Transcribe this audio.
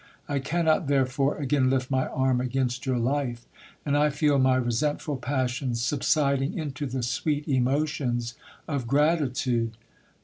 1 cannot therefore again lift my arm against your life, and I feel my resentful passions subsiding into the sweet emotions of gratitude.